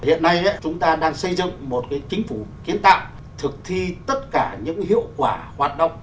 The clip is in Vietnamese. hiện nay chúng ta đang xây dựng một chính phủ kiến tạo thực thi tất cả những hiệu quả hoạt động